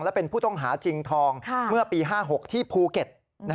และเป็นผู้ต้องหาจริงทองเมื่อปี๕๖ที่ภูเก็ต